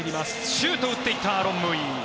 シュートを打っていったアーロン・ムーイ。